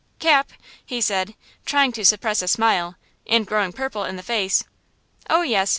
"Cap," he said, trying to suppress a smile, and growing purple in the face. "Oh, yes!